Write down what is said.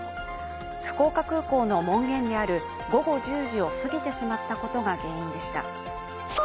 福岡空港の門限である午後１０時を過ぎてしまったことが原因でした。